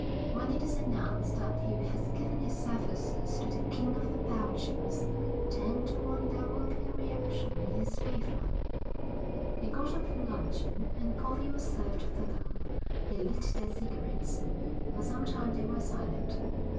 When it is announced that he has given his services to the King of the Belgians, ten to one there will be a reaction in his favour.' They got up from luncheon, and coffee was served to them. They lit their cigarettes. For some time they were silent.